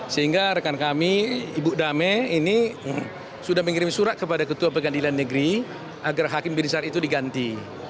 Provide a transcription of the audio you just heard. sehingga rekan kami ibu dame ini sudah mengirim surat kepada ketua pengadilan negeri agar hakim berisar itu diganti